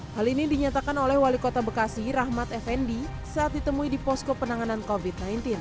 hal ini dinyatakan oleh wali kota bekasi rahmat effendi saat ditemui di posko penanganan covid sembilan belas